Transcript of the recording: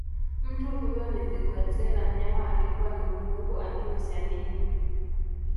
Mtu huyo ni Zigwadzee na mnyama alikuwa nungunungu amini usiamini